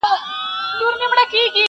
نه شاهین د تورو غرو نه تور بلبل سوې,